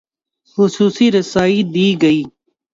خصوصی رسائی دی گئی